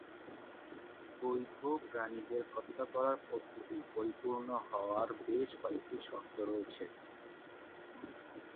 বৈধ প্রাণীদের হত্যা করার পদ্ধতি পরিপূর্ণ হওয়ার বেশ কয়েকটি শর্ত রয়েছে।